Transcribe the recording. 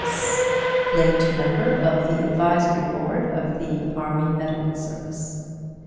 S.; late Member of the Advisory Board of the Army Medical Service.